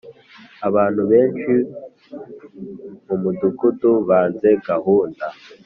abantu benshi mumudugudu banze gahunda.